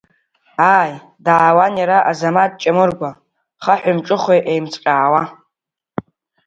Ааи, даауан иара Азамаҭ Ҷамыргәа, хаҳәи-мҿыхәи емыцҟьаауа.